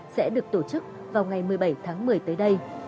sẽ được tổ chức vào ngày một mươi bảy tháng một mươi tới đây